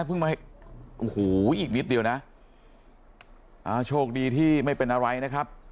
เพิ่งมาโอ้โหอีกนิดเดียวนะอ่าโชคดีที่ไม่เป็นอะไรนะครับ